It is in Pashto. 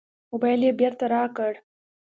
موبایل یې بېرته راکړ.